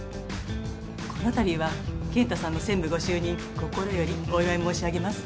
このたびは健太さんの専務ご就任心よりお祝い申し上げます。